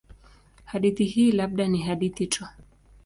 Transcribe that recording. Hadithi hii labda ni hadithi tu.